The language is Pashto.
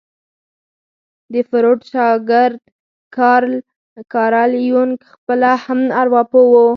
د فروډ شاګرد کارل يونګ خپله هم ارواپوه وو.